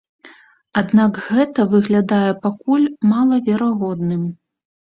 Аднак гэта выглядае пакуль малаверагодным.